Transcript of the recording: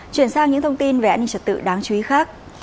chuyển sang những thông tin về an ninh trật tự đáng chú ý khác